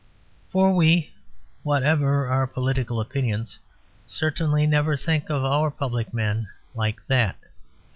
For we, whatever our political opinions, certainly never think of our public men like that.